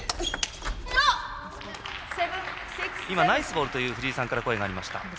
ナイスボールという藤井さんから、声がありました。